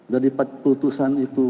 jadi putusan itu